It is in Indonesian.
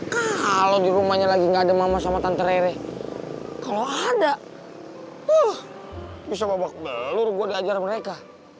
kalau ada mama sama tante rere kalau ada bisa mabak belur gue diajar mereka